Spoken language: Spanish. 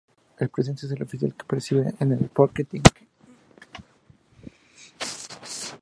El presidente es el oficial que preside el Folketing.